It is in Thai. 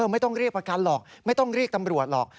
ไม่ต้องเรียกประกันหรอกไม่ต้องเรียกตำรวจหรอก